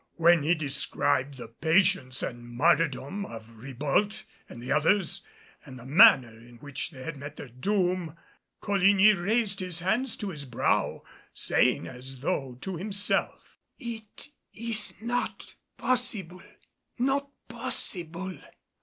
When he described the patience and martyrdom of Ribault and the others and the manner in which they had met their doom, Coligny raised his hands to his brow, saying as though to himself, "It is not possible not possible!